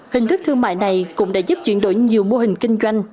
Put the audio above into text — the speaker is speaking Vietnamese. hình thức thương mại này cũng đã giúp chuyển đổi nhiều mô hình kinh doanh